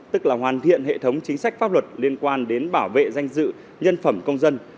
tức là hoàn thiện hệ thống chính sách pháp luật liên quan đến bảo vệ danh dự nhân phẩm công dân